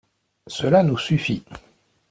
Cela nous suffit.